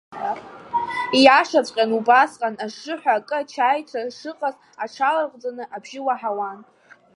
Ииашаҵәҟьаны убасҟан, ажжыҳәа акы ачаирҭа шыҟаз аҽыларҟәӡаны абжьы уаҳауан.